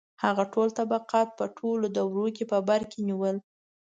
• هغه ټول طبقات په ټولو دورو کې په بر کې نیول.